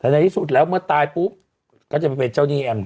แต่ในที่สุดแล้วเมื่อตายปุ๊บก็จะมาเป็นเจ้าหนี้แอม